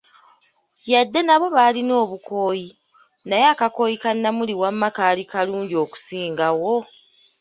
Yadde nga nabo balina obukooyi, naye akakooyi ka Namuli wama kaali kalungi okusingawo!